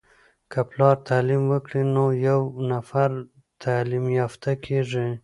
که پلار تعليم وکړی نو یو نفر تعليم يافته کیږي.